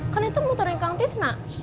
kan itu motornya kang tisna